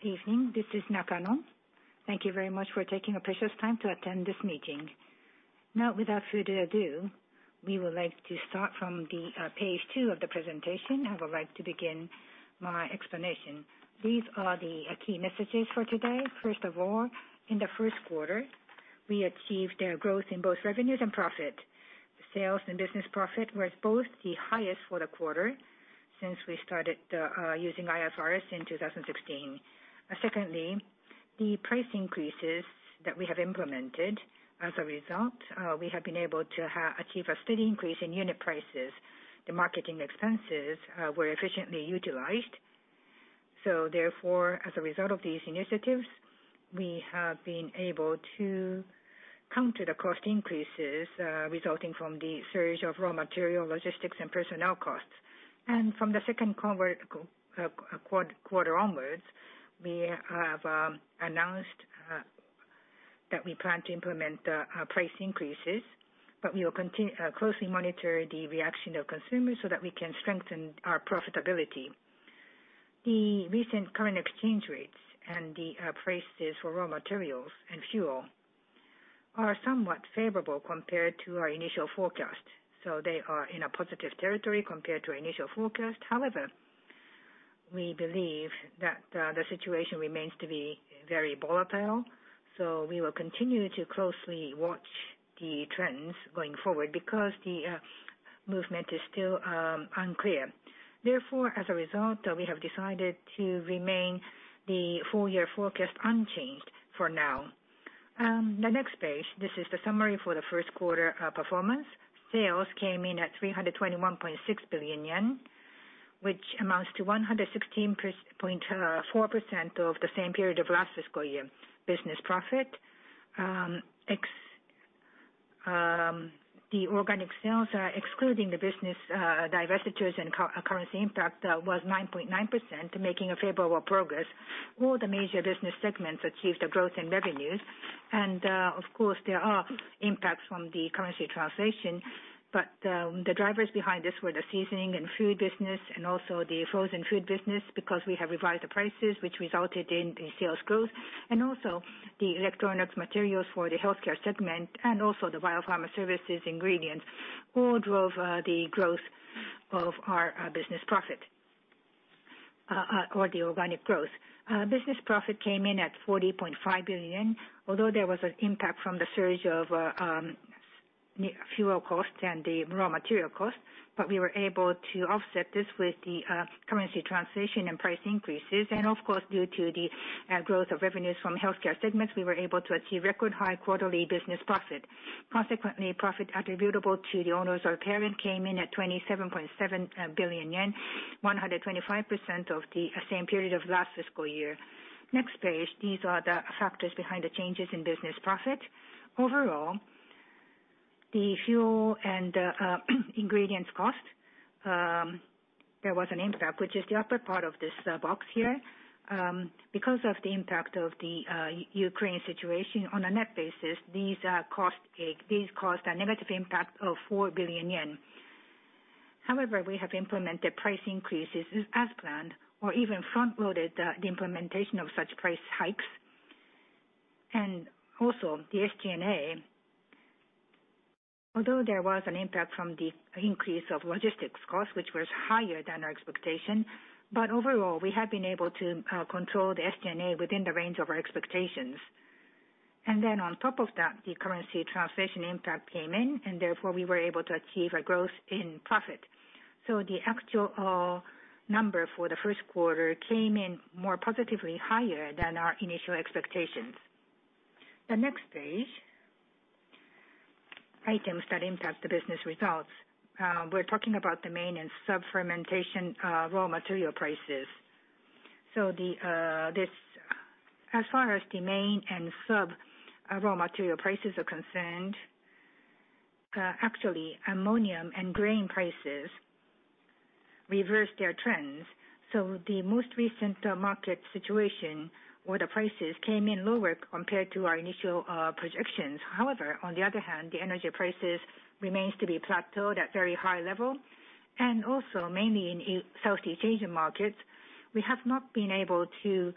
Good evening. This is Nakano. Thank you very much for taking the precious time to attend this meeting. Now, without further ado, we would like to start from the page two of the presentation. I would like to begin my explanation. These are the key messages for today. First of all, in the first quarter, we achieved growth in both revenues and profit. The sales and business profit was both the highest for the quarter since we started using IFRS in 2016. Secondly, the price increases that we have implemented as a result, we have been able to achieve a steady increase in unit prices. The marketing expenses were efficiently utilized. Therefore, as a result of these initiatives, we have been able to counter the cost increases resulting from the surge of raw material, logistics and personnel costs. From the second quarter onwards, we have announced that we plan to implement price increases, but we will closely monitor the reaction of consumers so that we can strengthen our profitability. The recent current exchange rates and the prices for raw materials and fuel are somewhat favorable compared to our initial forecast, so they are in a positive territory compared to our initial forecast. However, we believe that the situation remains to be very volatile, so we will continue to closely watch the trends going forward because the movement is still unclear. Therefore, as a result, we have decided to remain the full-year forecast unchanged for now. Next page. This is the summary for the first quarter performance. Sales came in at 321.6 billion yen, which amounts to 116.4% of the same period of last fiscal year. Business profit excluding business divestitures and currency impact was 9.9%, making a favorable progress. All the major business segments achieved a growth in revenues. Of course, there are impacts from the currency translation, but the drivers behind this were the Seasonings and Foods business and also the Frozen Foods business, because we have revised the prices which resulted in the sales growth and also the Electronic Materials for the Healthcare segment and also the Bio-Pharma Services & Ingredients, all drove the growth of our business profit or the organic growth. Business profit came in at 40.5 billion. Although there was an impact from the surge of fuel costs and the raw material costs, but we were able to offset this with the currency translation and price increases. Of course, due to the growth of revenues from Healthcare segments, we were able to achieve record high quarterly business profit. Consequently, profit attributable to the owners of parent came in at 27.7 billion yen, 125% of the same period of last fiscal year. Next page. These are the factors behind the changes in business profit. Overall, the fuel and ingredients cost, there was an impact, which is the upper part of this box here. Because of the impact of the Ukraine situation on a net basis, these costs had a negative impact of 4 billion yen. However, we have implemented price increases as planned or even front-loaded the implementation of such price hikes. Also the SG&A, although there was an impact from the increase of logistics costs, which was higher than our expectation. Overall, we have been able to control the SG&A within the range of our expectations. Then on top of that, the currency translation impact came in, and therefore we were able to achieve a growth in profit. The actual number for the first quarter came in more positively higher than our initial expectations. The next page. Items that impact the business results. We're talking about the main and sub fermentation raw material prices. As far as the main and sub raw material prices are concerned, actually, ammonium and grain prices reversed their trends. The most recent market situation or the prices came in lower compared to our initial projections. However, on the other hand, the energy prices remains to be plateaued at very high level. Also mainly in Southeast Asian markets, we have not been able to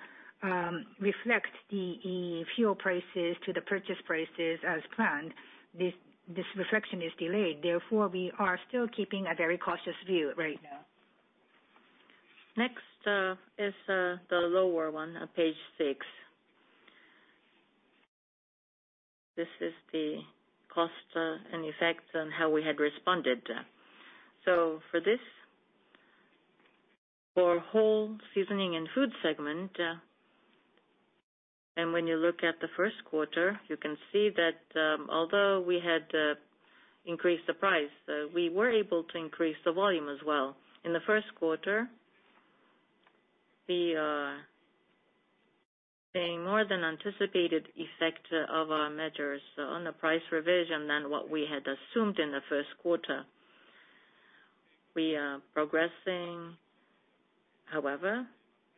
reflect the fuel prices to the purchase prices as planned. This reflection is delayed. Therefore, we are still keeping a very cautious view right now. Next, is the lower one on page six. This is the cost and effects on how we had responded. For this whole Seasonings and Foods segment, and when you look at the first quarter, you can see that, although we had increased the price, we were able to increase the volume as well. In the first quarter, the more than anticipated effect of our measures on the price revision than what we had assumed in the first quarter. We are progressing. However,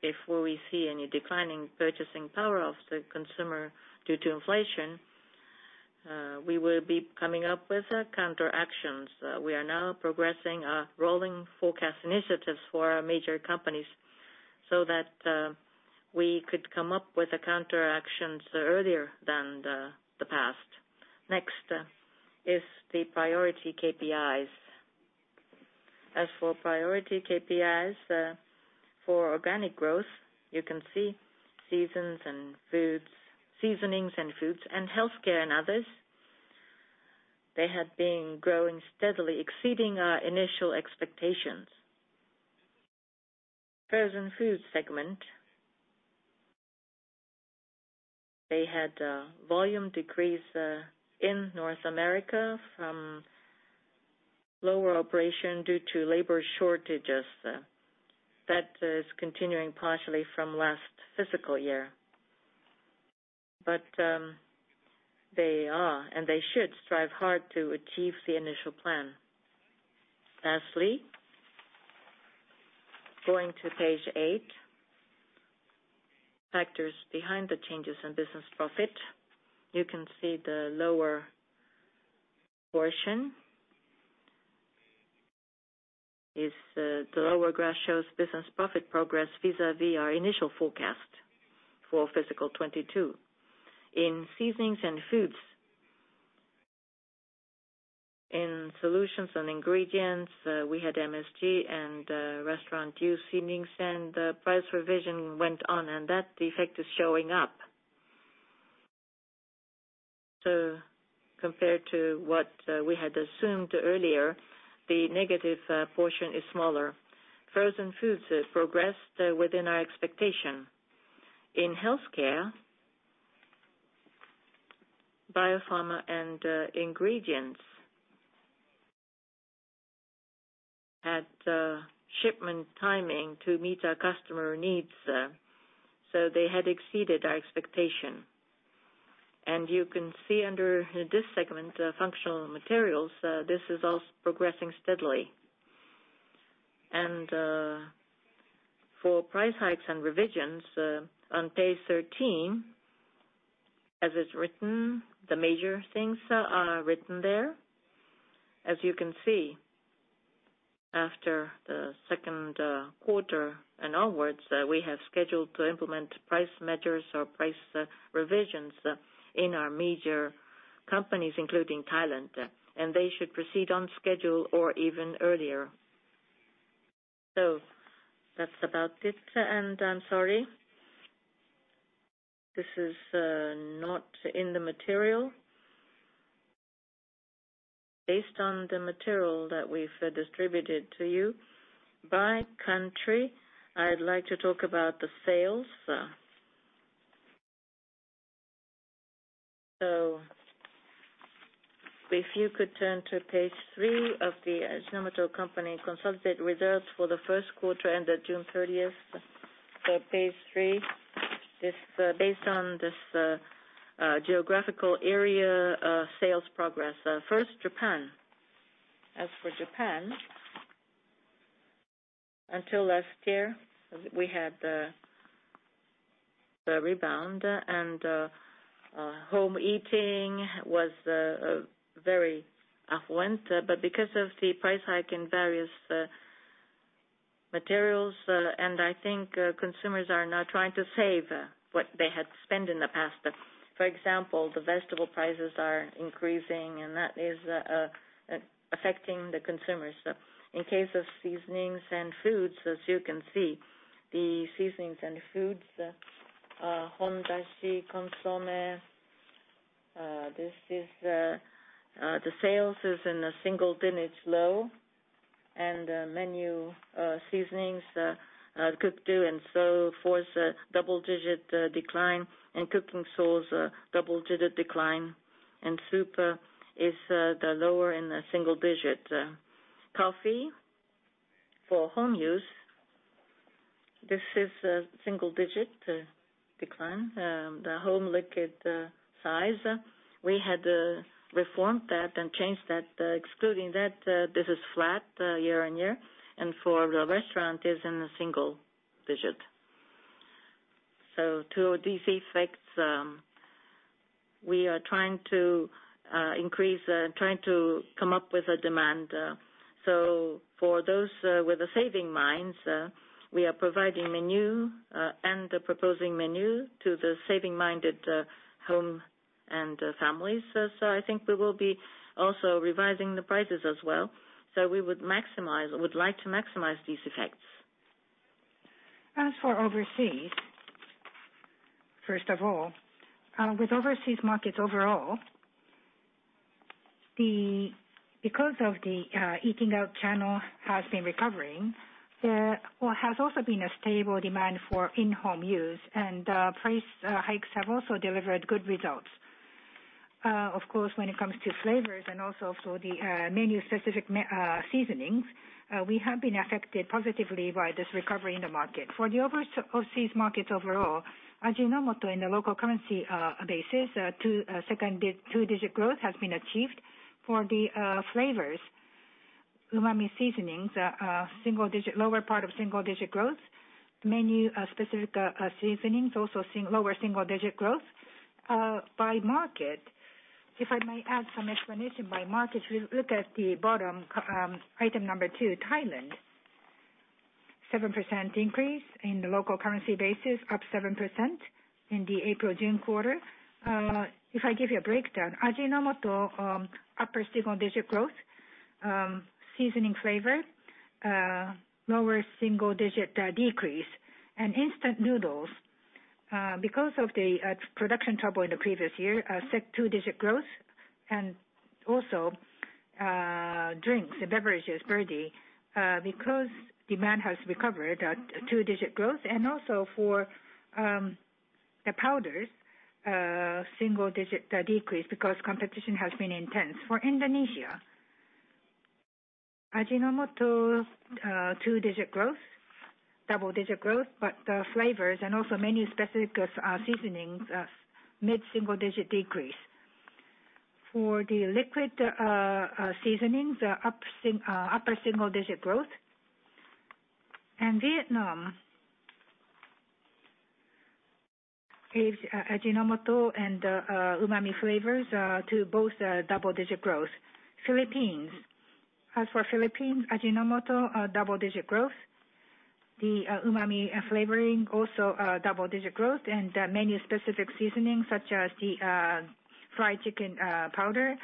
if we see any declining purchasing power of the consumer due to inflation. We will be coming up with counter actions. We are now progressing rolling forecast initiatives for our major companies so that we could come up with the counter actions earlier than the past. Next is the priority KPIs. As for priority KPIs, for organic growth, you can see Seasonings and Foods and Healthcare and Others, they have been growing steadily, exceeding our initial expectations. Frozen Foods segment, they had volume decrease in North America from lower operation due to labor shortages. That is continuing partially from last fiscal year. They are, and they should strive hard to achieve the initial plan. Lastly, going to page 8, factors behind the changes in business profit. You can see the lower portion is, the lower graph shows business profit progress vis-a-vis our initial forecast for fiscal 2022. In Seasonings and Foods, in Solutions & Ingredients, we had MSG and restaurant-use seasonings, and price revision went on, and that effect is showing up. Compared to what we had assumed earlier, the negative portion is smaller. Frozen Foods has progressed within our expectation. In Healthcare, Bio-Pharma and Ingredients had shipment timing to meet our customer needs, so they had exceeded our expectation. You can see under this segment, Functional Materials, this is progressing steadily. For price hikes and revisions, on page 13, as it's written, the major things are written there. As you can see, after the second quarter and onwards, we have scheduled to implement price measures or price revisions in our major companies, including Thailand, and they should proceed on schedule or even earlier. That's about it. I'm sorry, this is not in the material. Based on the material that we've distributed to you by country, I'd like to talk about the sales. If you could turn to page three of the Ajinomoto Co., Inc. consolidated results for the first quarter ended June 30th. Page three. This based on this geographical area sales progress. First, Japan. As for Japan, until last year, we had the rebound, and home eating was very affluent. Because of the price hike in various materials, and I think consumers are now trying to save what they had spent in the past. For example, the vegetable prices are increasing, and that is affecting the consumers. In case of Seasonings and Foods, as you can see, Seasonings and Foods, HON-DASHI, Consommé, this is the sales is in the low single digits. Menu seasonings, Cook Do and so forth, double-digit decline, and cooking sauce, double-digit decline. Soup is lower in the single digit. Coffee for home use, this is a single-digit decline. The home liquid size, we had reformed that and changed that. Excluding that, this is flat year-on-year. For the restaurant is in the single digit. Due to these effects, we are trying to come up with a demand. For those with the saving minds, we are providing menu and proposing menu to the saving-minded home and families. I think we will be also revising the prices as well. We would maximize or would like to maximize these effects. As for overseas, first of all, with overseas markets overall, the eating out channel has been recovering, there well has also been a stable demand for in-home use, and price hikes have also delivered good results. Of course, when it comes to flavors and also for the menu-specific seasonings, we have been affected positively by this recovery in the market. For the overseas markets overall, Ajinomoto in the local currency basis, double-digit growth has been achieved for the flavors. Umami seasonings are single-digit, lower part of single-digit growth. Menu-specific seasonings also lower single-digit growth. By market, if I may add some explanation by market, if you look at the bottom, item number two, Thailand. 7% increase in the local currency basis, up 7% in the April/June quarter. If I give you a breakdown, Ajinomoto upper single-digit growth, seasoning flavor lower single-digit decrease. Instant noodles, because of the production trouble in the previous year, saw two-digit growth. Drinks and beverages, Birdy, because demand has recovered at two-digit growth. The powders single-digit decrease because competition has been intense. For Indonesia, Ajinomoto two-digit growth, double-digit growth, but flavors and also many specific seasonings mid-single-digit decrease. For the liquid seasonings upper single-digit growth. Vietnam is Ajinomoto and umami flavors to both double-digit growth. Philippines. As for Philippines, Ajinomoto double-digit growth. The umami flavoring also double-digit growth. Menu-specific seasoning such as the fried chicken powder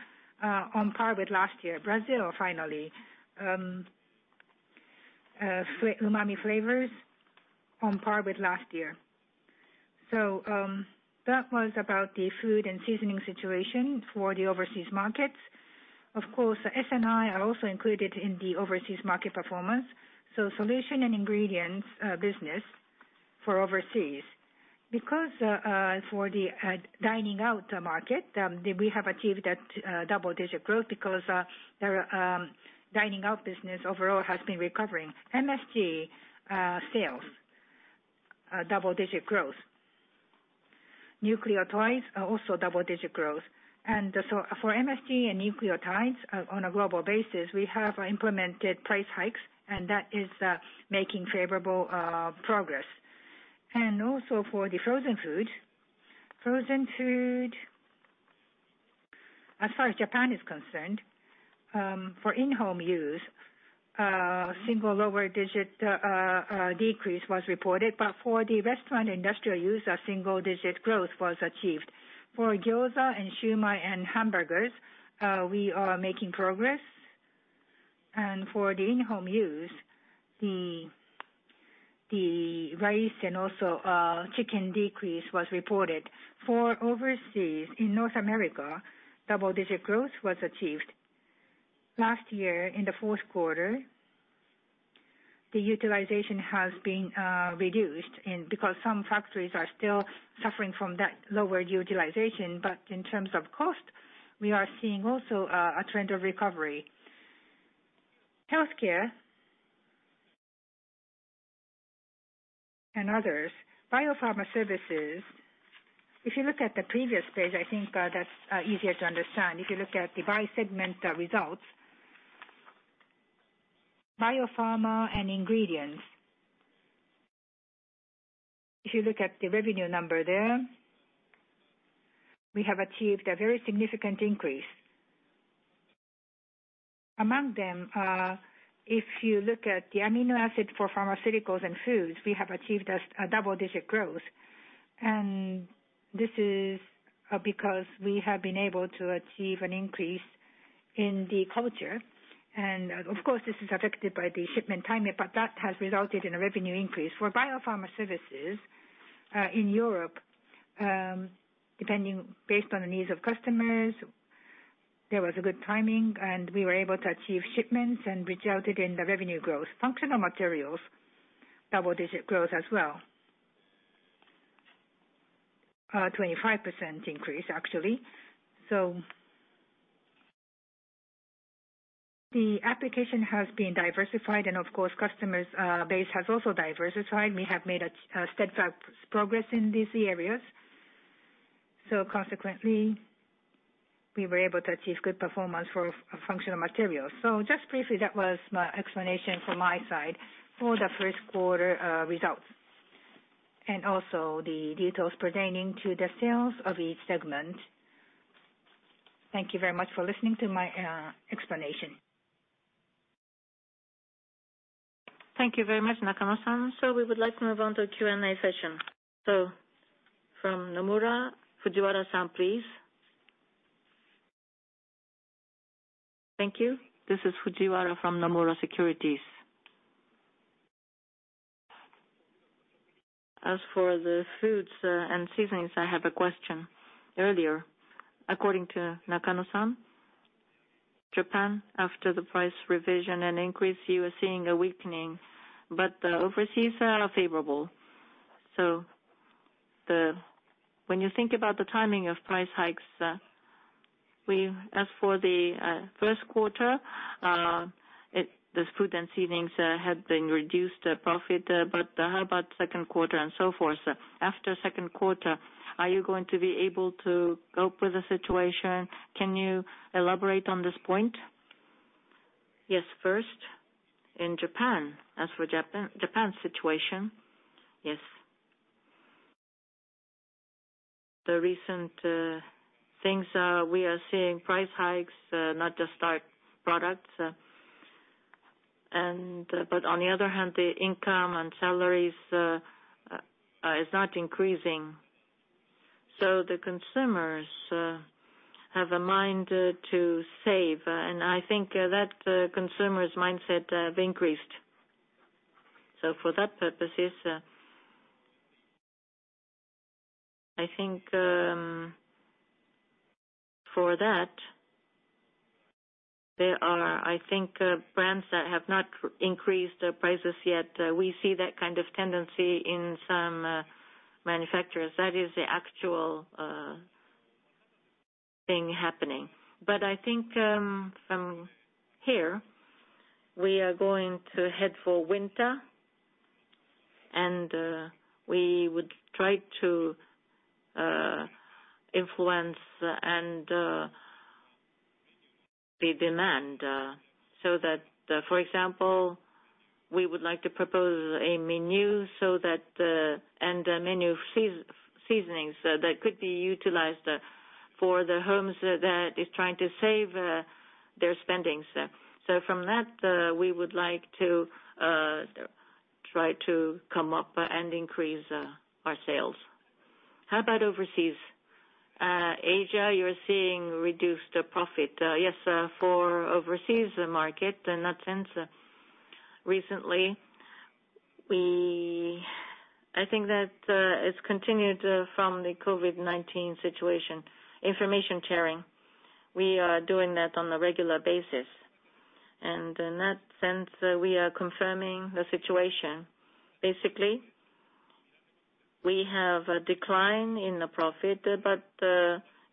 on par with last year. Brazil, finally. Umami flavors on par with last year. That was about the food and seasoning situation for the overseas markets. Of course, S&I are also included in the overseas market performance. Solutions and Ingredients business for overseas. For the dining out market, we have achieved that double-digit growth because their dining out business overall has been recovering. MSG sales double-digit growth. Nucleotides are also double-digit growth. For MSG and nucleotides on a global basis, we have implemented price hikes, and that is making favorable progress. For the frozen food. Frozen Foods, as far as Japan is concerned, for in-home use, low single-digit decrease was reported. For the restaurant and industrial use, single-digit growth was achieved. For gyoza and shumai and hamburgers, we are making progress. For the in-home use, the rice and also chicken decrease was reported. For overseas, in North America, double-digit growth was achieved. Last year in the fourth quarter, the utilization has been reduced and because some factories are still suffering from that lower utilization. In terms of cost, we are seeing also a trend of recovery. Healthcare and Others. Bio-Pharma Services, if you look at the previous page, I think that's easier to understand. If you look at the by-segment results, Bio-Pharma and ingredients. If you look at the revenue number there, we have achieved a very significant increase. Among them, if you look at the amino acid for pharmaceuticals and foods, we have achieved a double-digit growth. This is because we have been able to achieve an increase in the culture. Of course, this is affected by the shipment timing, but that has resulted in a revenue increase. For Bio-Pharma Services, in Europe, depending on the needs of customers, there was a good timing, and we were able to achieve shipments and resulted in the revenue growth. Functional Materials, double-digit growth as well. 25% increase actually. The application has been diversified and of course customers' base has also diversified. We have made a steadfast progress in these areas. Consequently, we were able to achieve good performance for Functional Materials. Just briefly, that was my explanation from my side for the first quarter results. Also the details pertaining to the sales of each segment. Thank you very much for listening to my explanation. Thank you very much, Nakano-san. We would like to move on to the Q&A session. From Nomura, Fujiwara-san, please. Thank you. This is Fujiwara from Nomura Securities. As for the foods and seasonings, I have a question. Earlier, according to Nakano-san, Japan, after the price revision and increase, you were seeing a weakening. The overseas are favorable. When you think about the timing of price hikes, as for the first quarter, it, this food and seasonings had been reduced profit. How about second quarter and so forth? After second quarter, are you going to be able to cope with the situation? Can you elaborate on this point? Yes. First, in Japan, as for the Japan situation, yes. The recent things are we are seeing price hikes, not just our products, and but on the other hand, the income and salaries is not increasing. The consumers have a mind to save, and I think that consumer's mindset have increased. For that purposes, I think there are brands that have not increased their prices yet. We see that kind of tendency in some manufacturers. That is the actual thing happening. I think from here we are going to head for winter, and we would try to influence the demand so that for example we would like to propose a menu so that and menu seasonings that could be utilized for the homes that is trying to save their spending. From that we would like to try to come up and increase our sales. How about overseas? In Asia, we're seeing reduced profit. Yes, for overseas market, in that sense, recently, I think that it's continued from the COVID-19 situation. Information sharing, we are doing that on a regular basis. In that sense, we are confirming the situation. Basically, we have a decline in the profit, but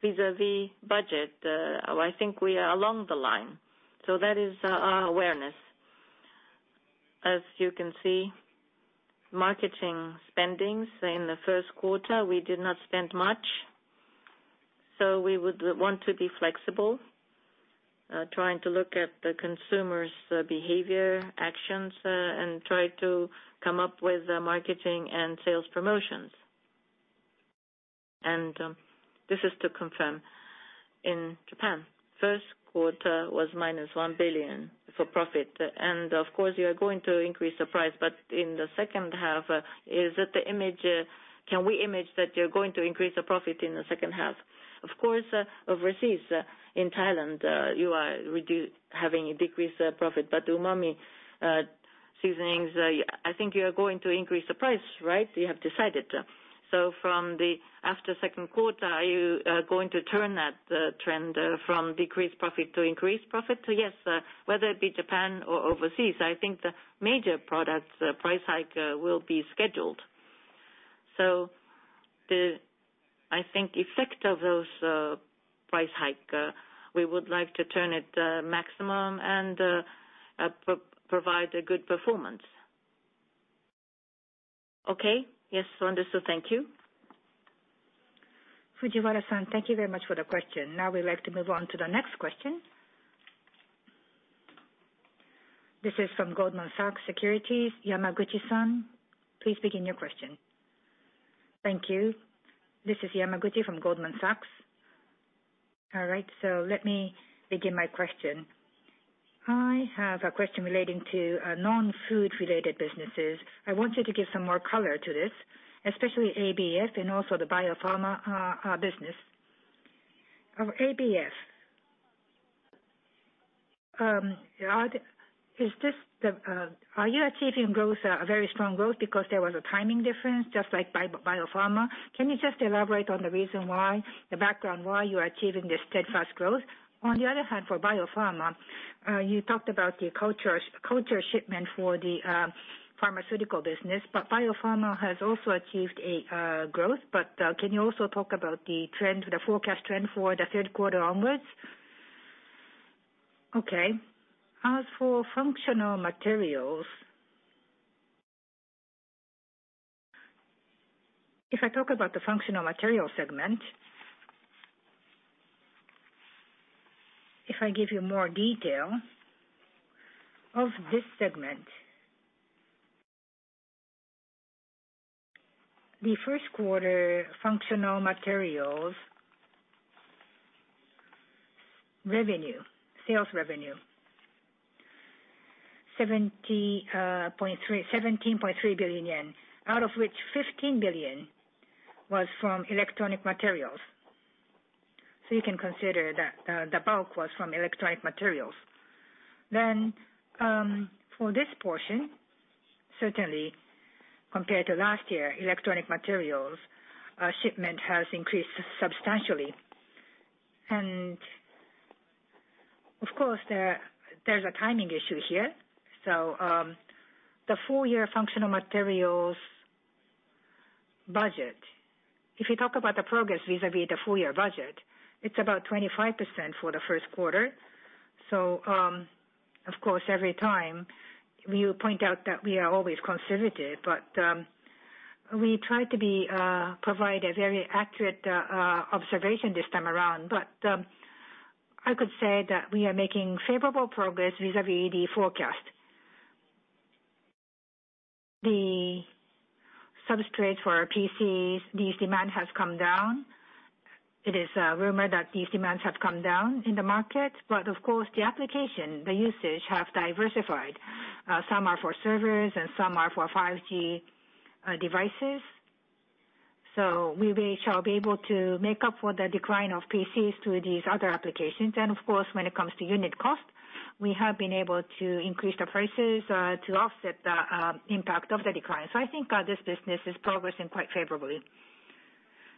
vis-à-vis budget, I think we are along the line. That is our awareness. As you can see, marketing spending in the first quarter, we did not spend much, so we would want to be flexible, trying to look at the consumer's behavior, actions, and try to come up with marketing and sales promotions. This is to confirm. In Japan, first quarter was -1 billion for profit. Of course, you are going to increase the price. In the second half, is it the imagine, can we imagine that you're going to increase the profit in the second half? Of course, overseas in Thailand, you are having a decreased profit, but umami seasonings, I think you are going to increase the price, right? You have decided. From the second half, are you going to turn that trend from decreased profit to increased profit? Yes, whether it be Japan or overseas, I think the major products price hike will be scheduled. I think the effect of those price hike we would like to turn it maximum and provide a good performance. Okay. Yes, understood. Thank you. Fujiwara-san, thank you very much for the question. Now we'd like to move on to the next question. This is from Goldman Sachs Japan Co., Ltd., Miyazaki-san, please begin your question. Thank you. This is Miyazaki from Goldman Sachs Japan Co., Ltd. All right, let me begin my question. I have a question relating to non-food related businesses. I want you to give some more color to this, especially ABF and also the Bio-Pharma business. Of ABF. Are you achieving growth, a very strong growth because there was a timing difference, just like Bio-Pharma? Can you just elaborate on the reason why, the background why you are achieving this steadfast growth? On the other hand, for Bio-Pharma, you talked about the culture shipment for the pharmaceutical business, but Bio-Pharma has also achieved a growth. Can you also talk about the trend, the forecast trend for the third quarter onwards? Okay. As for Functional Materials, if I talk about the Functional Materials segment, if I give you more detail of this segment. The first quarter Functional Materials revenue, sales revenue, 17.3 billion yen, out of which 15 billion was from Electronic Materials. You can consider that, the bulk was from Electronic Materials. For this portion, certainly compared to last year, Electronic Materials shipment has increased substantially. Of course, there's a timing issue here. The full year Functional Materials budget, if you talk about the progress vis-à-vis the full year budget, it's about 25% for the first quarter. Of course, every time we will point out that we are always conservative, but. We provide a very accurate observation this time around. I could say that we are making favorable progress vis-à-vis the forecast. The substrate for our PCs, the demand has come down. It is rumored that the demand has come down in the market, but of course the application, the usage have diversified. Some are for servers and some are for 5G devices. We shall be able to make up for the decline of PCs through these other applications. Of course, when it comes to unit cost, we have been able to increase the prices to offset the impact of the decline. I think this business is progressing quite favorably.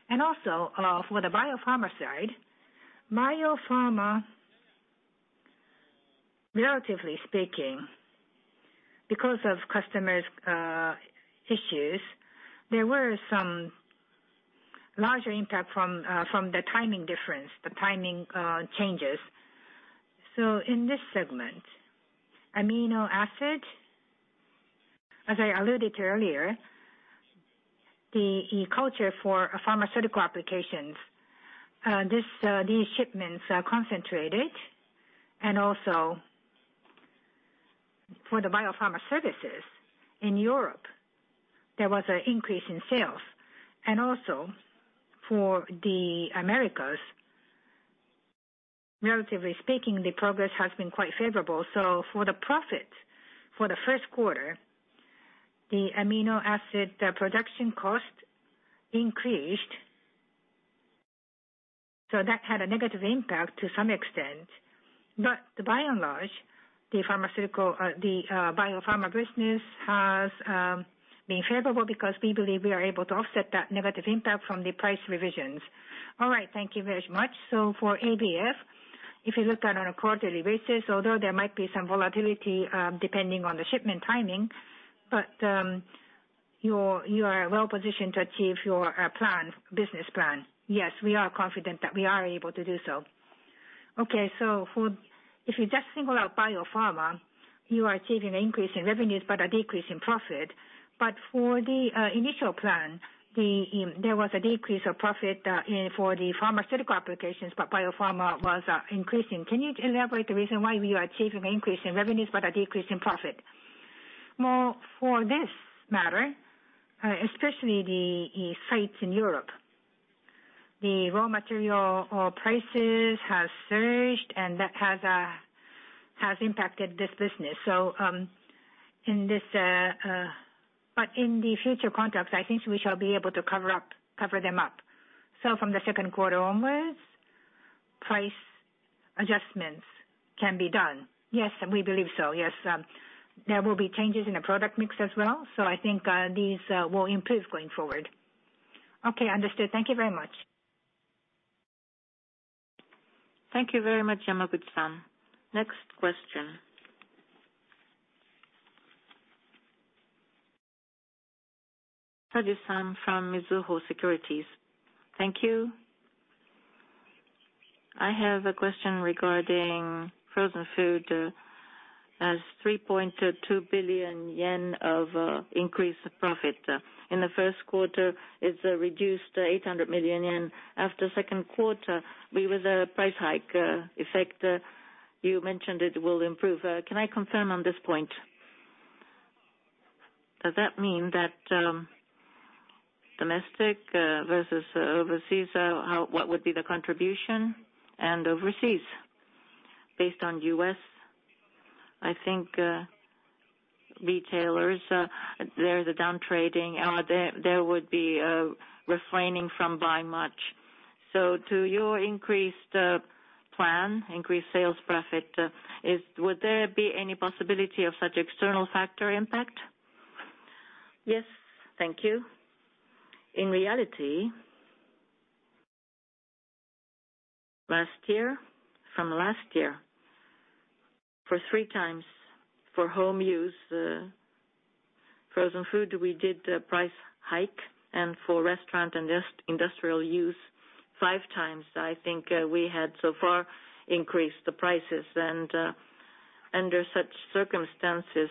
For the Bio-Pharma side, relatively speaking, because of customers' issues, there were some larger impact from the timing difference, the timing changes. In this segment, amino acid, as I alluded to earlier, the cell culture for pharmaceutical applications, these shipments are concentrated. For the Bio-Pharma Services in Europe, there was an increase in sales. For the Americas, relatively speaking, the progress has been quite favorable. For the profit for the first quarter, the amino acid production cost increased, so that had a negative impact to some extent. By and large, the pharmaceutical Bio-Pharma business has been favorable because we believe we are able to offset that negative impact from the price revisions. All right, thank you very much. For ABF, if you look at it on a quarterly basis, although there might be some volatility, depending on the shipment timing, but you are well positioned to achieve your plan, business plan. Yes, we are confident that we are able to do so. Okay. If you just single out Bio-Pharma, you are achieving an increase in revenues, but a decrease in profit. For the initial plan, there was a decrease of profit in the pharmaceutical applications, but Bio-Pharma was increasing. Can you elaborate the reason why we are achieving an increase in revenues but a decrease in profit? Well, for this matter, especially the sites in Europe, the raw material prices have surged, and that has impacted this business. In the future contracts, I think we shall be able to cover them up. From the second quarter onwards, price adjustments can be done. Yes. We believe so. Yes. There will be changes in the product mix as well. I think these will improve going forward. Okay. Understood. Thank you very much. Thank you very much, Miyazaki-san. Next question. Saji-san from Mizuho Securities. Thank you. I have a question regarding Frozen Foods as 3.2 billion yen of increased profit. In the first quarter, it's reduced 800 million yen. After second quarter, we were the price hike effect, you mentioned it will improve. Can I confirm on this point? Does that mean that domestic versus overseas, how what would be the contribution and overseas based on U.S.? I think retailers there's a trading down. There would be refraining from buying much. So to your increased plan, increased sales profit, would there be any possibility of such external factor impact? Yes. Thank you. In reality, last year, from last year, for three times for home use, frozen food, we did a price hike. For restaurant and just industrial use, five times, I think, we had so far increased the prices. Under such circumstances,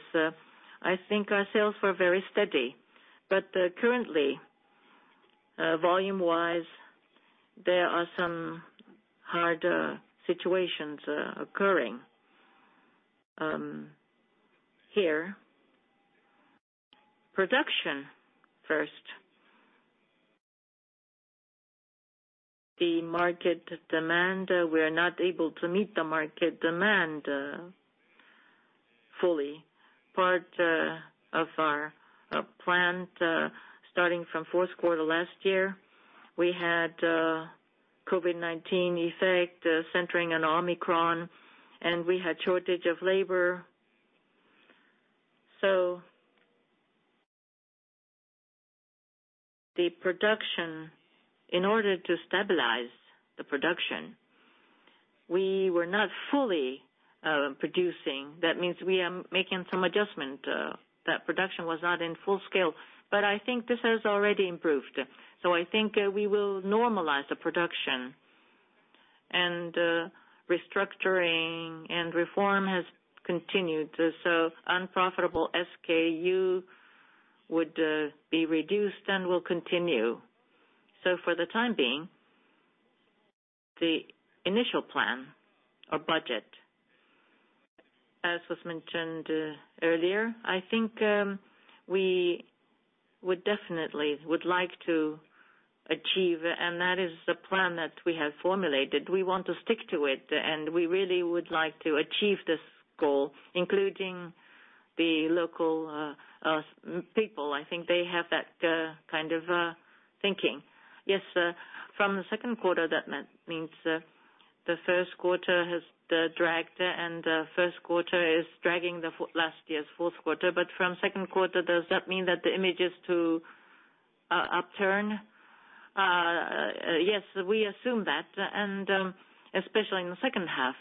I think our sales were very steady. Currently, volume-wise, there are some hard situations occurring. Here, production first. The market demand, we are not able to meet the market demand fully. Part of our plan, starting from fourth quarter last year, we had COVID-19 effect centering on Omicron, and we had shortage of labor. The production, in order to stabilize the production, we were not fully producing. That means we are making some adjustment, that production was not in full scale. I think this has already improved. I think we will normalize the production. Restructuring and reform has continued. Unprofitable SKU would be reduced and will continue. For the time being, the initial plan or budget, as was mentioned earlier, I think we would definitely like to achieve, and that is the plan that we have formulated. We want to stick to it, and we really would like to achieve this goal, including the local U.S. people. I think they have that kind of thinking. Yes, sir. From the second quarter, that means the first quarter has dragged, and first quarter is dragging last year's fourth quarter. From second quarter, does that mean that the image is to upturn? Yes, we assume that, and especially in the second half,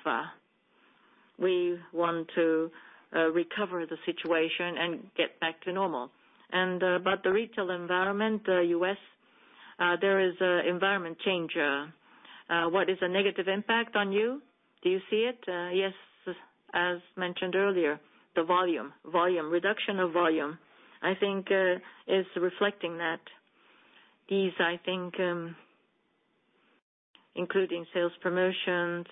we want to recover the situation and get back to normal. The retail environment, U.S., there is an environment change. What is a negative impact on you? Do you see it? Yes, as mentioned earlier, the volume reduction, I think, is reflecting that. These, I think, including sales promotions,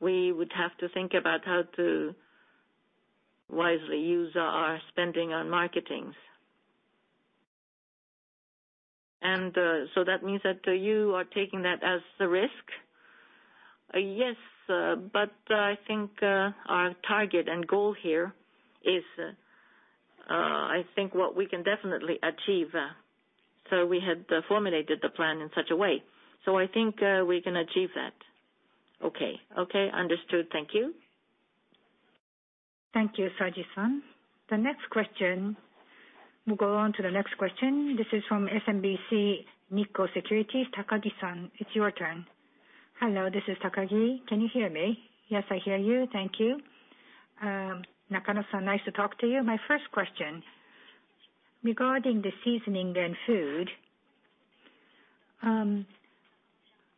we would have to think about how to wisely use our spending on marketing. That means that you are taking that as the risk? Yes, I think our target and goal here is I think what we can definitely achieve. We had formulated the plan in such a way. I think we can achieve that. Okay. Understood. Thank you. Thank you, Saji-san. The next question. We'll go on to the next question. This is from SMBC Nikko Securities, Takagi-san. It's your turn. Hello, this is Takagi. Can you hear me? Yes, I hear you. Thank you. Nakano-san, nice to talk to you. My first question, regarding the Seasonings and Foods,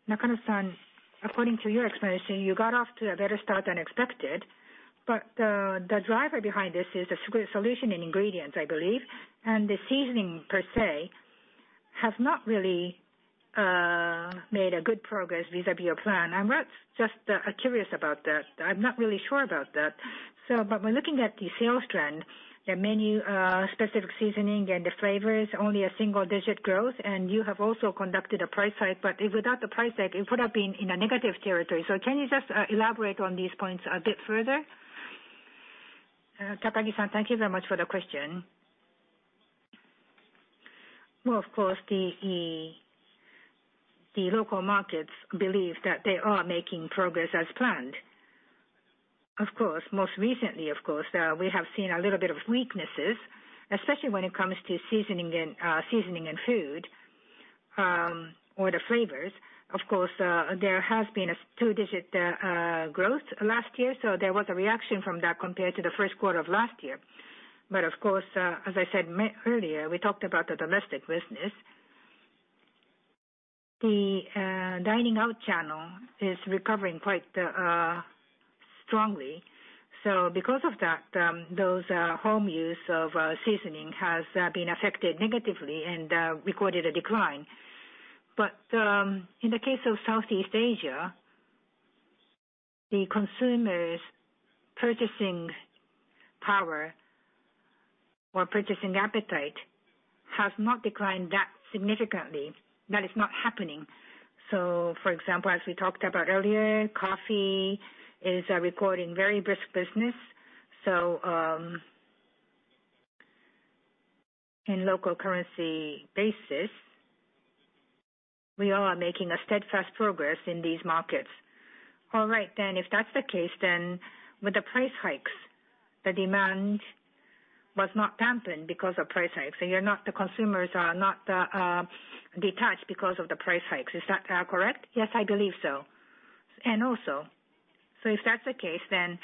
Nakano-san, according to your explanation, you got off to a better start than expected. The driver behind this is Solutions & Ingredients, I believe. The seasoning per se has not really made a good progress vis-à-vis your plan. I'm not just curious about that. I'm not really sure about that. When looking at the sales trend, the menu specific seasoning and the flavors, only a single-digit growth, and you have also conducted a price hike, but without the price hike, it would have been in a negative territory. Can you just elaborate on these points a bit further? Takagi-san, thank you very much for the question. Well, of course, local markets believe that they are making progress as planned. Of course, most recently, of course, we have seen a little bit of weaknesses, especially when it comes to seasoning and food, or the flavors. Of course, there has been a two-digit growth last year, so there was a reaction from that compared to the first quarter of last year. Of course, as I said earlier, we talked about the domestic business. The dining out channel is recovering quite strongly. Because of that, those home use of seasoning has been affected negatively and recorded a decline. In the case of Southeast Asia, the consumers' purchasing power or purchasing appetite has not declined that significantly. That is not happening. For example, as we talked about earlier, coffee is recording very brisk business. In local currency basis, we are making a steadfast progress in these markets. All right. If that's the case, with the price hikes, the demand was not dampened because of price hikes. You're not, the consumers are not detached because of the price hikes. Is that correct? Yes, I believe so. If that's the case, then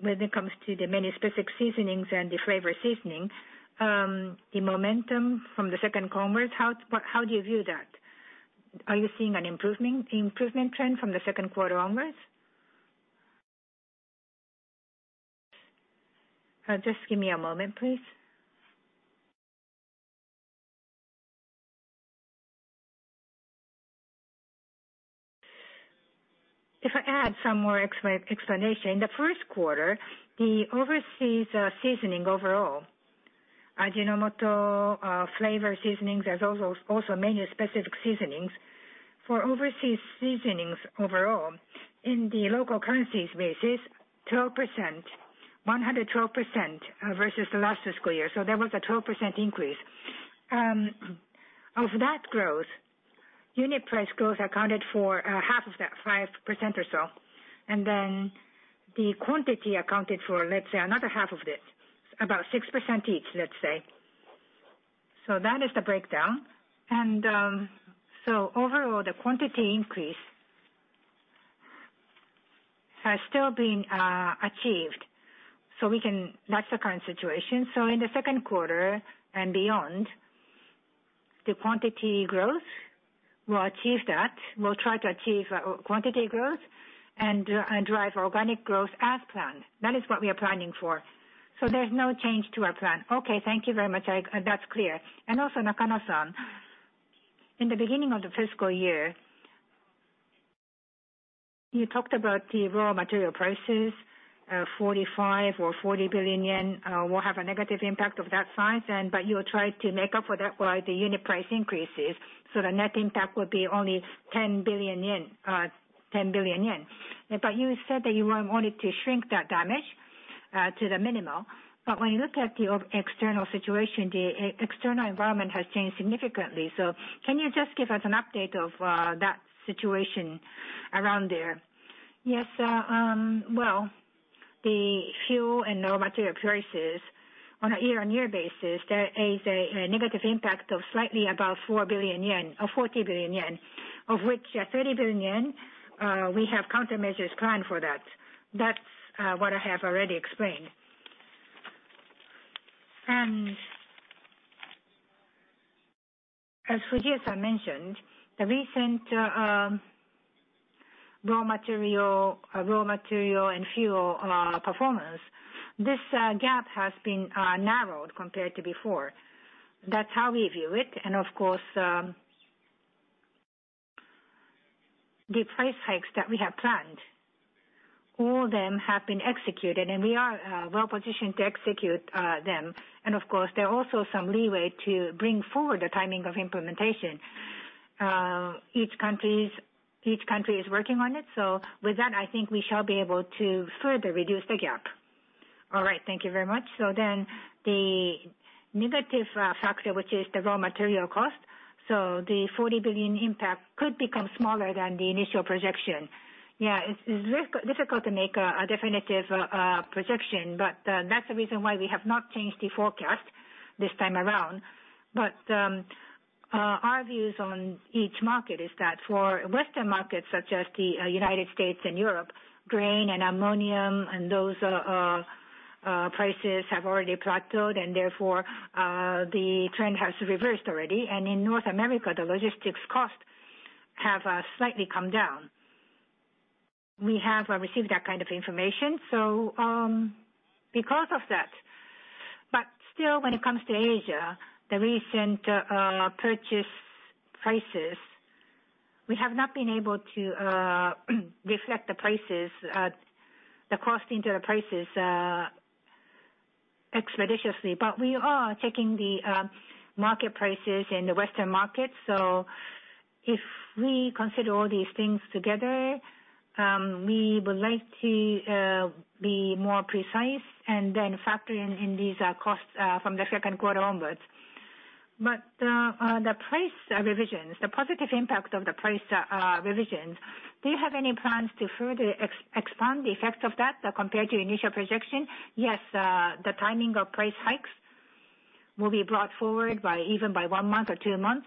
when it comes to the menu-specific seasonings and the flavor seasoning, the momentum from the second quarter onwards, how do you view that? Are you seeing an improvement trend from the second quarter onwards? Just give me a moment, please. If I add some more explanation, in the first quarter, the overseas seasoning overall, Ajinomoto flavor seasonings, there is also menu-specific seasonings. For overseas seasonings overall, on a local currencies basis, 12%, 112%, versus the last fiscal year. There was a 12% increase. Of that growth, unit price growth accounted for half of that, 5% or so. Then the quantity accounted for, let's say, another half of it, about 6% each, let's say. That is the breakdown. Overall, the quantity increase has still been achieved. We can match the current situation. In the second quarter and beyond, the quantity growth, we'll achieve that. We'll try to achieve quantity growth and drive organic growth as planned. That is what we are planning for, so there's no change to our plan. Okay, thank you very much. That's clear. Also, Nakano-san, in the beginning of the fiscal year, you talked about the raw material prices, 45 billion or 40 billion yen will have a negative impact of that size and but you will try to make up for that via the unit price increases, so the net impact would be only 10 billion yen. But you said that you wanted to shrink that damage to the minimal. When you look at your external situation, the external environment has changed significantly. Can you just give us an update of that situation around there? Yes. Well, the fuel and raw material prices on a year-on-year basis, there is a negative impact of slightly above 4 billion yen or 40 billion yen, of which 30 billion yen we have countermeasures planned for that. That's what I have already explained. As Fujii-san mentioned, the recent raw material and fuel performance, this gap has been narrowed compared to before. That's how we view it. Of course, the price hikes that we have planned, all of them have been executed, and we are well-positioned to execute them. Of course, there are also some leeway to bring forward the timing of implementation. Each country is working on it. With that, I think we shall be able to further reduce the gap. All right. Thank you very much. The negative factor, which is the raw material cost, the 40 billion impact could become smaller than the initial projection. It's difficult to make a definitive projection, but that's the reason why we have not changed the forecast this time around. Our views on each market are that for Western markets such as the United States and Europe, grain and ammonium and those prices have already plateaued, and therefore, the trend has reversed already. In North America, the logistics costs have slightly come down. We have received that kind of information. Because of that, but still when it comes to Asia, the recent purchase prices, we have not been able to reflect the cost into the prices expeditiously. We are taking the market prices in the Western markets. If we consider all these things together, we would like to be more precise and then factor in these costs from the second quarter onwards. The price revisions, the positive impact of the price revisions, do you have any plans to further expand the effects of that compared to initial projection? Yes. The timing of price hikes will be brought forward by even one month or two months.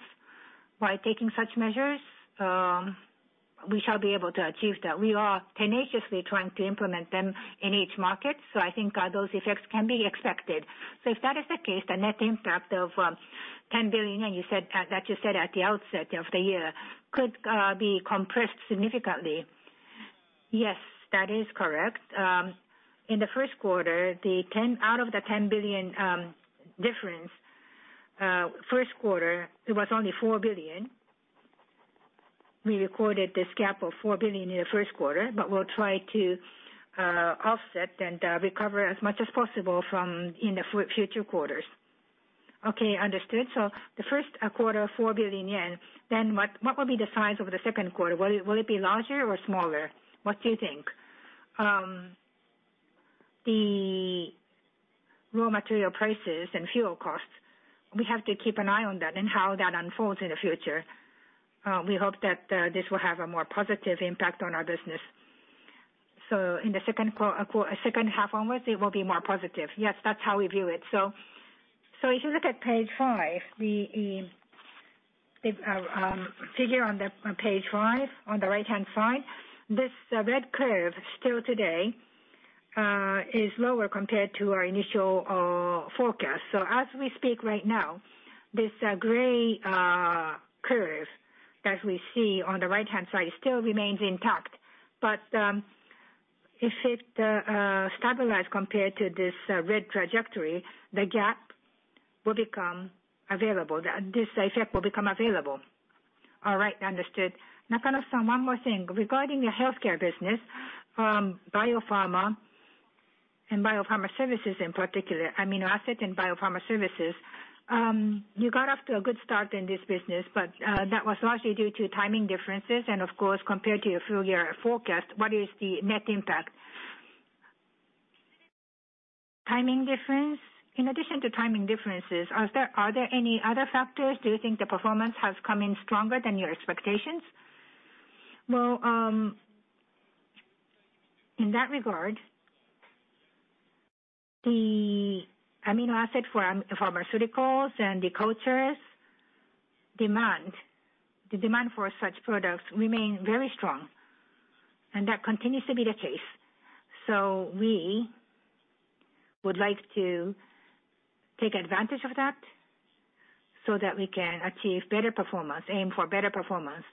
By taking such measures, we shall be able to achieve that. We are tenaciously trying to implement them in each market, so I think those effects can be expected. If that is the case, the net impact of 10 billion you said that you said at the outset of the year could be compressed significantly. Yes, that is correct. In the first quarter, out of the 10 billion difference, it was only 4 billion. We recorded this gap of 4 billion in the first quarter, but we'll try to offset and recover as much as possible in the future quarters. Okay. Understood. The first quarter, 4 billion yen. What will be the size of the second quarter? Will it be larger or smaller? What do you think? The raw material prices and fuel costs, we have to keep an eye on that and how that unfolds in the future. We hope that this will have a more positive impact on our business. In the second half onwards, it will be more positive. Yes. That's how we view it. If you look at page five, the figure on page five on the right-hand side, this red curve still today is lower compared to our initial forecast. As we speak right now, this gray curve that we see on the right-hand side still remains intact. If it stabilize compared to this red trajectory, the gap will become available. This effect will become available. All right. Understood. Nakano-san, one more thing. Regarding the Healthcare business, Bio-Pharma and Bio-Pharma Services in particular, amino acid and Bio-Pharma Services, you got off to a good start in this business, but that was largely due to timing differences. Of course, compared to your full year forecast, what is the net impact? Timing difference? In addition to timing differences, are there any other factors? Do you think the performance has come in stronger than your expectations? Well, in that regard- The amino acid for pharmaceuticals and the culture's demand, the demand for such products remain very strong, and that continues to be the case. We would like to take advantage of that so that we can achieve better performance, aim for better performance.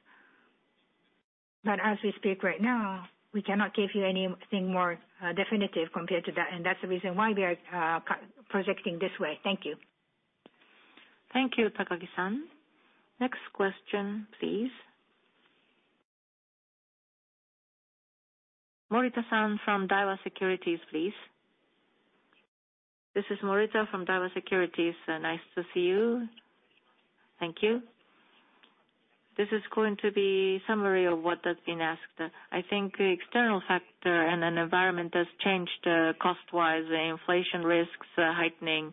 As we speak right now, we cannot give you anything more definitive compared to that, and that's the reason why we are projecting this way. Thank you. Thank you, Takagi-san. Next question, please. Morita-san from Daiwa Securities, please. This is Morita from Daiwa Securities. Nice to see you. Thank you. This is going to be summary of what has been asked. I think external factor and then environment has changed, cost-wise, the inflation risks are heightening.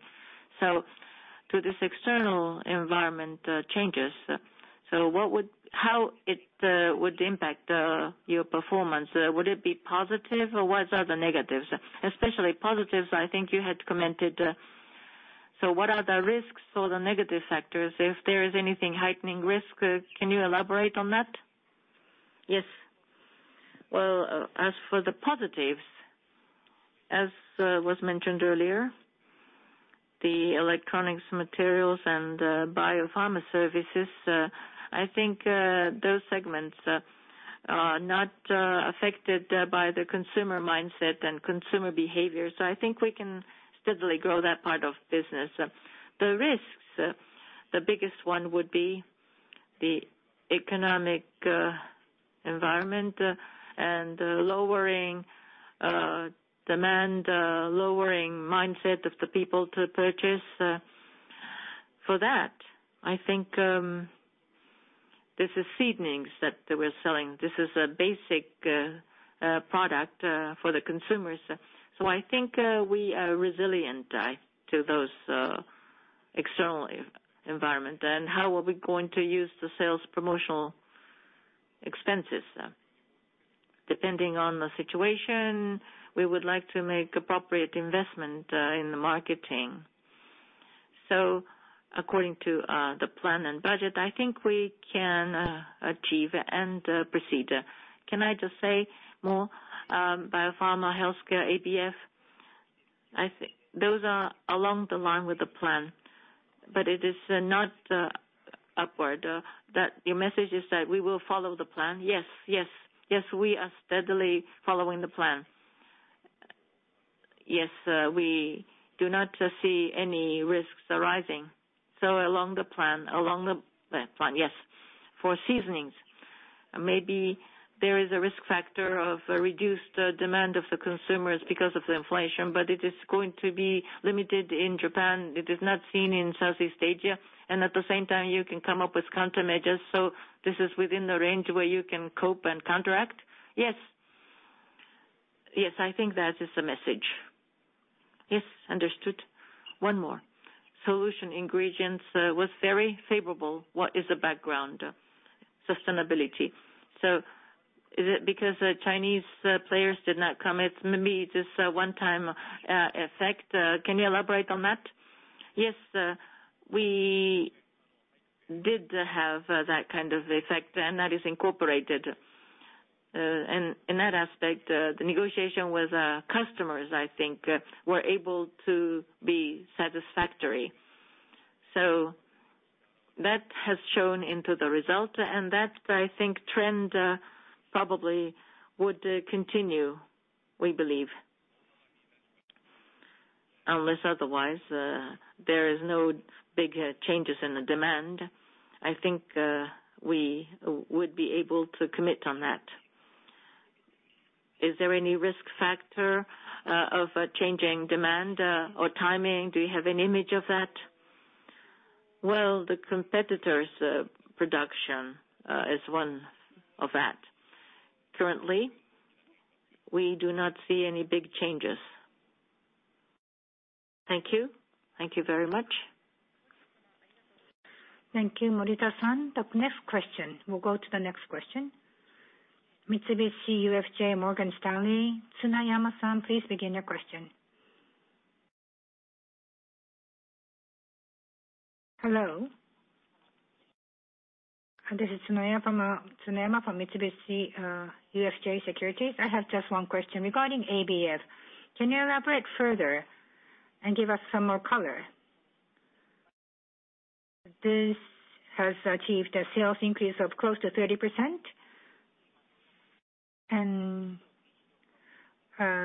To this external environment changes. How it would impact your performance? Would it be positive, or what are the negatives? Especially positives, I think you had commented. What are the risks or the negative factors? If there is anything heightening risk, can you elaborate on that? Yes. Well, as for the positives, as was mentioned earlier, the Electronic Materials and Bio-Pharma Services, I think those segments are not affected by the consumer mindset and consumer behavior. I think we can steadily grow that part of business. The risks, the biggest one would be the economic environment and lowering demand, lowering mindset of the people to purchase. For that, I think this is seasonings that we're selling. This is a basic product for the consumers. I think we are resilient to those external environment. How are we going to use the sales promotional expenses? Depending on the situation, we would like to make appropriate investment in the marketing. According to the plan and budget, I think we can achieve and proceed. Can I just say more, Bio-Pharma, Healthcare, ABF? I think those are along the line with the plan, but it is not upward. That's your message is that we will follow the plan. Yes. Yes. Yes, we are steadily following the plan. Yes, we do not see any risks arising. Along the plan, yes. For seasonings, maybe there is a risk factor of a reduced demand of the consumers because of the inflation, but it is going to be limited in Japan. It is not seen in Southeast Asia. At the same time, you can come up with countermeasures. This is within the range where you can cope and counteract. Yes. Yes, I think that is the message. Yes, understood. One more. Solutions & Ingredients was very favorable. What is the background? Sustainability. Is it because the Chinese players did not come? It's maybe just a one-time effect. Can you elaborate on that? Yes. We did have that kind of effect, and that is incorporated. In that aspect, the negotiation with customers, I think, were able to be satisfactory. That has shown into the result, and that, I think, trend, probably would continue, we believe. Unless otherwise, there is no big changes in the demand, I think, we would be able to commit on that. Is there any risk factor of a changing demand or timing? Do you have an idea of that? Well, the competitors' production is one of that. Currently, we do not see any big changes. Thank you. Thank you very much. Thank you, Morita-san. The next question. We'll go to the next question. Mitsubishi UFJ Morgan Stanley, Tsunoyama-san, please begin your question. Hello. This is Tsunoyama from Mitsubishi UFJ Securities. I have just one question. Regarding ABF, can you elaborate further and give us some more color? This has achieved a sales increase of close to 30%.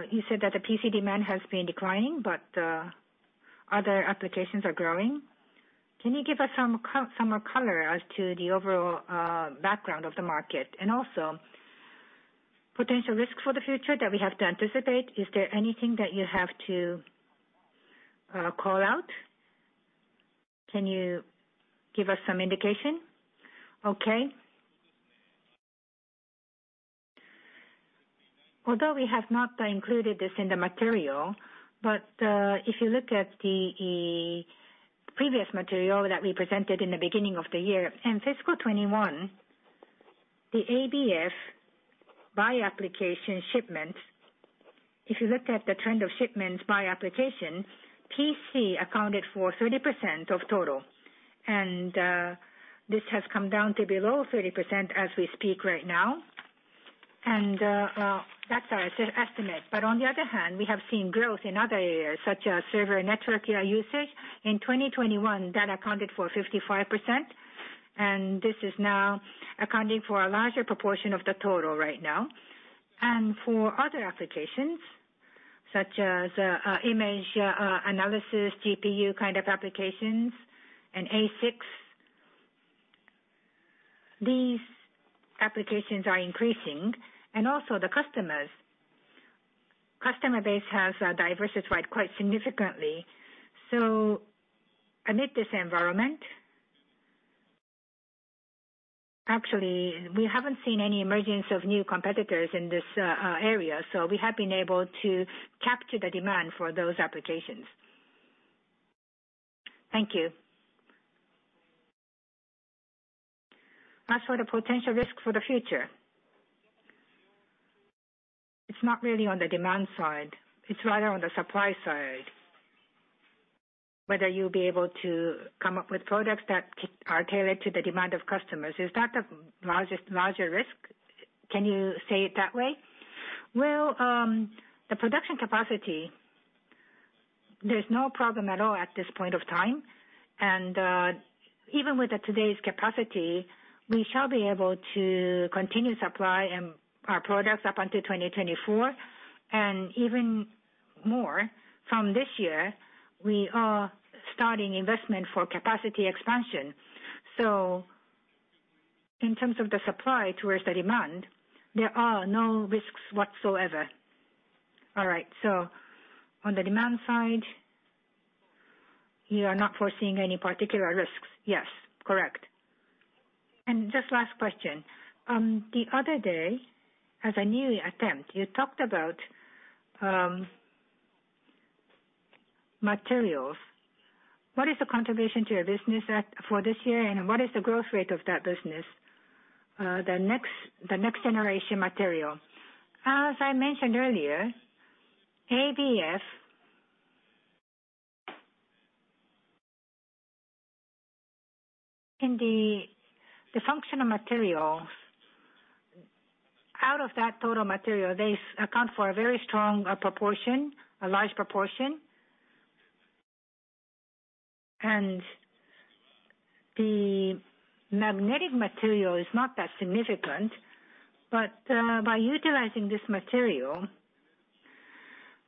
You said that the PC demand has been declining, but other applications are growing. Can you give us some more color as to the overall background of the market? Potential risks for the future that we have to anticipate, is there anything that you have to call out? Can you give us some indication? Okay. Although we have not included this in the material, but if you look at the previous material that we presented in the beginning of the year, in fiscal 2021 The ABF by application shipment, if you looked at the trend of shipments by application, PC accounted for 30% of total, and this has come down to below 30% as we speak right now. Well, that's our estimate. On the other hand, we have seen growth in other areas such as server and network AI usage. In 2021, that accounted for 55%, and this is now accounting for a larger proportion of the total right now. For other applications such as image analysis, GPU kind of applications, and ASICs, these applications are increasing. Also the customer base has diversified quite significantly. Amid this environment, actually, we haven't seen any emergence of new competitors in this area, so we have been able to capture the demand for those applications. Thank you. As for the potential risk for the future. It's not really on the demand side, it's rather on the supply side. Whether you'll be able to come up with products that are tailored to the demand of customers. Is that the largest, larger risk? Can you say it that way? Well, the production capacity, there's no problem at all at this point of time. Even with today's capacity, we shall be able to continue supply and our products up until 2024. Even more, from this year we are starting investment for capacity expansion. In terms of the supply towards the demand, there are no risks whatsoever. All right. On the demand side, you are not foreseeing any particular risks? Yes. Correct. Just last question. The other day, as a new attempt, you talked about materials. What is the contribution to your business for this year, and what is the growth rate of that business? The next generation material. As I mentioned earlier, ABF. In the Functional Materials, out of that total material, they account for a very strong proportion, a large proportion. The magnetic material is not that significant, but by utilizing this material,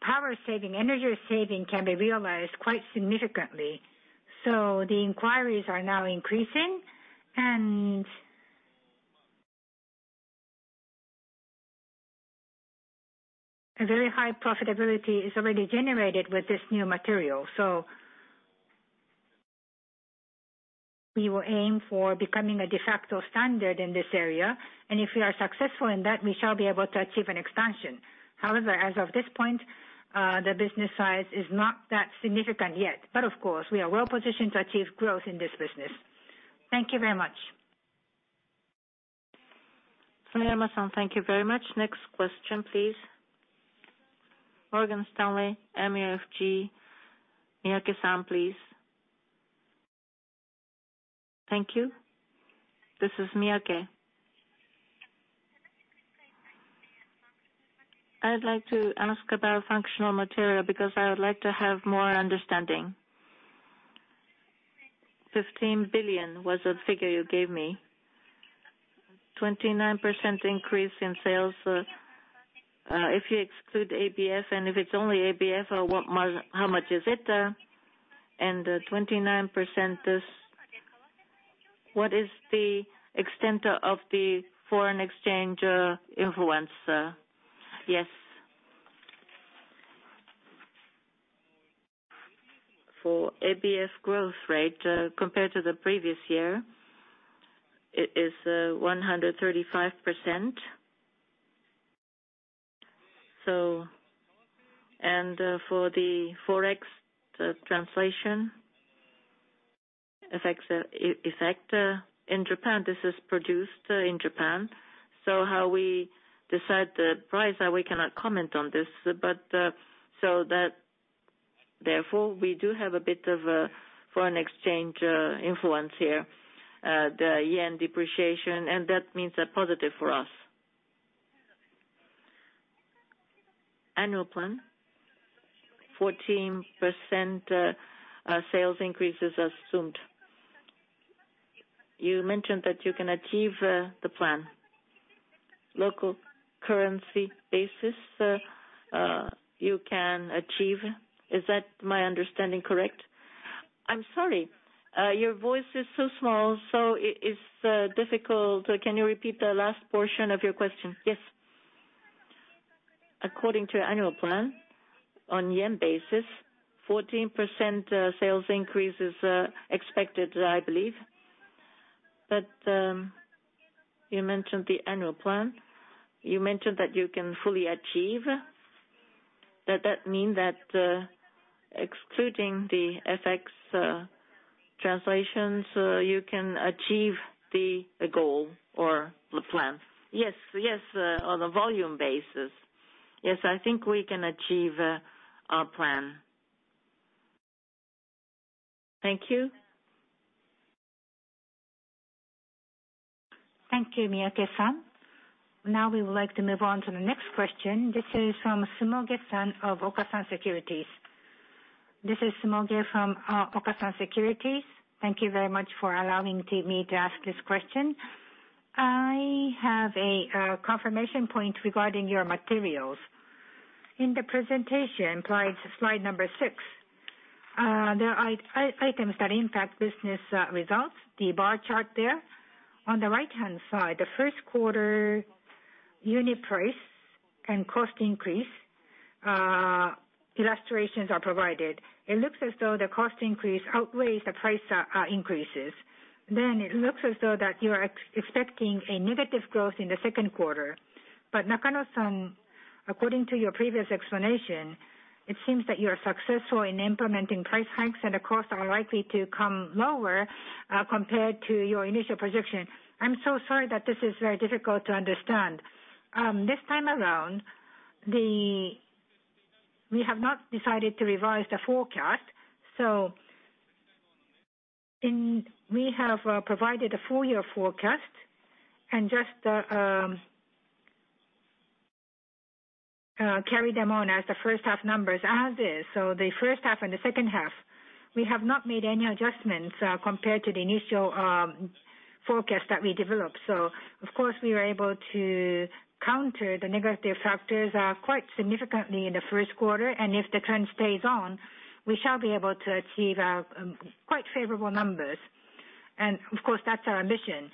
power saving, energy saving can be realized quite significantly. The inquiries are now increasing, and a very high profitability is already generated with this new material. We will aim for becoming a de facto standard in this area, and if we are successful in that, we shall be able to achieve an expansion. However, as of this point, the business size is not that significant yet. Of course, we are well-positioned to achieve growth in this business. Thank you very much. Tsunoyama-san, thank you very much. Next question, please. Morgan Stanley MUFG, Miyake-san, please. Thank you. This is Miyake. I'd like to ask about Functional Materials because I would like to have more understanding. 15 billion was the figure you gave me. 29% increase in sales. If you exclude ABF and if it's only ABF or what more, how much is it? And 29% is what is the extent of the foreign exchange influence? Yes. For ABF growth rate, compared to the previous year, it is 135%. For the Forex, the translation effects, effect, in Japan, this is produced in Japan. How we decide the price, we cannot comment on this. That therefore we do have a bit of a foreign exchange influence here. The yen depreciation, and that means a positive for us. Annual plan, 14%, sales increase is assumed. You mentioned that you can achieve the plan. Local currency basis, you can achieve. Is that my understanding correct? I'm sorry. Your voice is so small, so it is difficult. Can you repeat the last portion of your question? Yes. According to annual plan, on yen basis, 14% sales increase is expected, I believe. You mentioned the annual plan. You mentioned that you can fully achieve. Does that mean that, excluding the FX translations, you can achieve the goal or the plan? Yes. Yes. On a volume basis. Yes, I think we can achieve our plan. Thank you. Thank you, Miyake-san. Now we would like to move on to the next question. This is from Sumoge-san of Okasan Securities. This is Sumoge from Okasan Securities. Thank you very much for allowing me to ask this question. I have a confirmation point regarding your materials. In the presentation, slide number six, there are items that impact business results. The bar chart there. On the right-hand side, the first quarter unit price and cost increase illustrations are provided. It looks as though the cost increase outweighs the price increases. Then it looks as though you are expecting a negative growth in the second quarter. But Nakano-san, according to your previous explanation, it seems that you are successful in implementing price hikes, and the costs are likely to come lower compared to your initial projection. I'm so sorry that this is very difficult to understand. This time around, we have not decided to revise the forecast. We have provided a full year forecast and just carry them on as the first half numbers as is. The first half and the second half, we have not made any adjustments compared to the initial forecast that we developed. Of course, we were able to counter the negative factors quite significantly in the first quarter, and if the trend stays on, we shall be able to achieve quite favorable numbers. Of course, that's our ambition.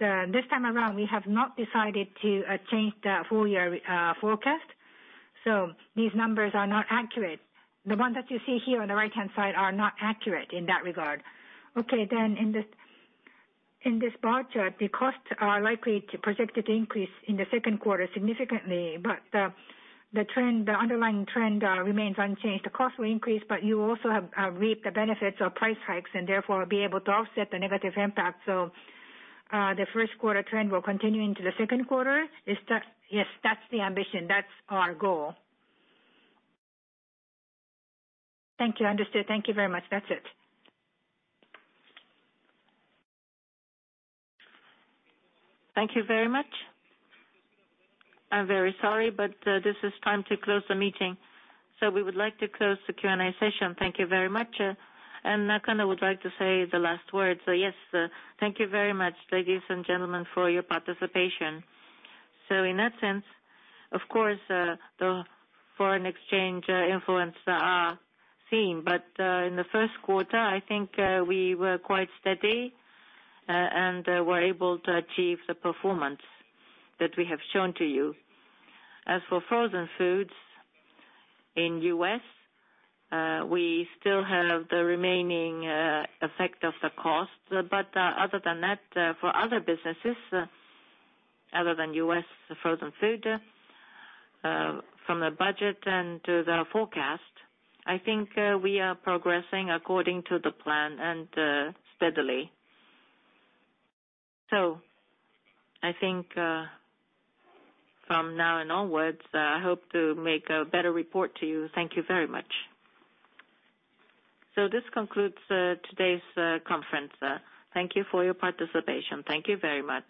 This time around, we have not decided to change the full year forecast. These numbers are not accurate. The ones that you see here on the right-hand side are not accurate in that regard. Okay. In this bar chart, the costs are likely to project an increase in the second quarter significantly. The trend, the underlying trend, remains unchanged. The costs will increase, but you also have reaped the benefits of price hikes and therefore will be able to offset the negative impact. The first quarter trend will continue into the second quarter. Is that? Yes, that's the ambition. That's our goal. Thank you. Understood. Thank you very much. That's it. Thank you very much. I'm very sorry, but this is the time to close the meeting, so we would like to close the Q&A session. Thank you very much. And Nakano-san would like to say the last word. Thank you very much, ladies and gentlemen, for your participation. In that sense, of course, the foreign exchange influences are seen. In the first quarter, I think we were quite steady and were able to achieve the performance that we have shown to you. As for Frozen Foods in the U.S., we still have the remaining effect of the cost. Other than that, for other businesses other than U.S. Frozen Foods, from the budget and the forecast, I think we are progressing according to the plan and steadily. I think, from now and onwards, I hope to make a better report to you. Thank you very much. This concludes today's conference. Thank you for your participation. Thank you very much.